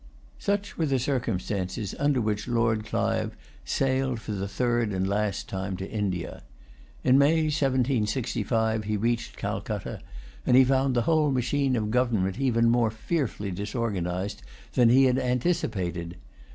Such were the circumstances under which Lord Clive sailed for the third and last time to India. In May 1765, he reached Calcutta; and he found the whole machine of government even more fearfully disorganised than he had anticipated.